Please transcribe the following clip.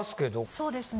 そうですね。